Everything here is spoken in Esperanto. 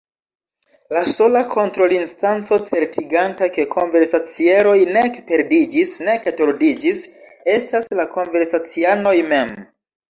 La sola kontrolinstanco certiganta, ke konversacieroj nek perdiĝis nek tordiĝis, estas la konversacianoj mem.